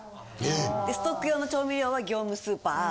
でストック用の調味料は業務スーパー。